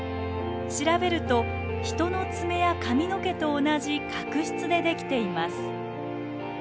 調べると人の爪や髪の毛と同じ角質でできています。